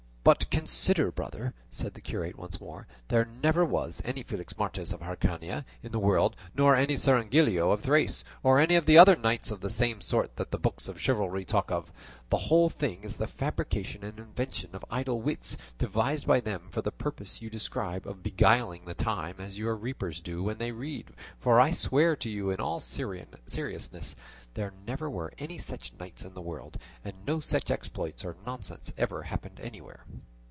"But consider, brother," said the curate once more, "there never was any Felixmarte of Hircania in the world, nor any Cirongilio of Thrace, or any of the other knights of the same sort, that the books of chivalry talk of; the whole thing is the fabrication and invention of idle wits, devised by them for the purpose you describe of beguiling the time, as your reapers do when they read; for I swear to you in all seriousness there never were any such knights in the world, and no such exploits or nonsense ever happened anywhere."